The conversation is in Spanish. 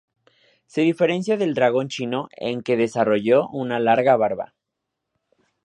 Se diferencia del dragón chino en que desarrolló una larga barba.